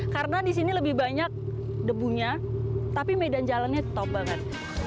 karena di sini lebih banyak debunya tapi medan jalannya top banget